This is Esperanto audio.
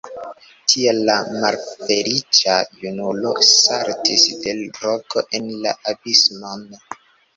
Tial la malfeliĉa junulo saltis de roko en la abismon.